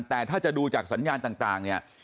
แต่ถ้าจะดูจากสัญญาณต่างเนี่ย